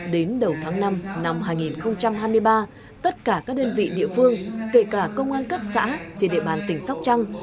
đến đầu tháng năm năm hai nghìn hai mươi ba tất cả các đơn vị địa phương kể cả công an cấp xã trên địa bàn tỉnh sóc trăng